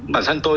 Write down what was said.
bản thân tôi